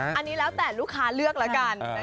อันนี้แล้วแต่ลูกค้าเลือกแล้วกัน